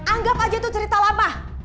anggap aja itu cerita lama